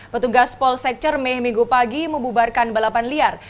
petugas polsek cermeh minggu pagi membubarkan balapan liar